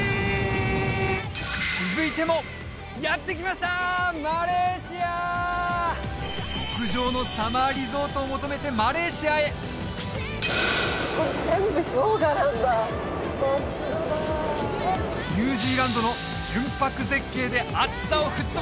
続いても極上のサマーリゾートを求めてニュージーランドの純白絶景で暑さを吹っ飛ばせ！